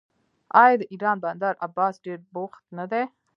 آیا د ایران بندر عباس ډیر بوخت نه دی؟